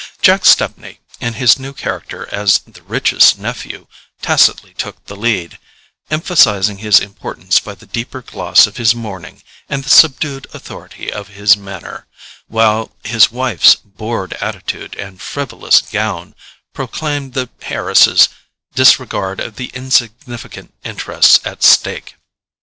Jack Stepney, in his new character as the richest nephew, tacitly took the lead, emphasizing his importance by the deeper gloss of his mourning and the subdued authority of his manner; while his wife's bored attitude and frivolous gown proclaimed the heiress's disregard of the insignificant interests at stake.